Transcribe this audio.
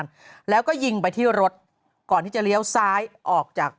แต่ไม่โดนก็ดีแล้วอุ้ยครับ